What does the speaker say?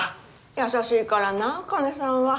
優しいからな茜さんは。